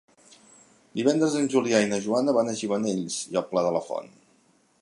Divendres en Julià i na Joana van a Gimenells i el Pla de la Font.